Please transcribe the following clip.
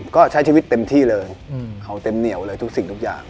ก็ใช้ชีวิตเต็มที่เลยเขาเต็มเหนียวเลยทุกสิ่งทุกอย่าง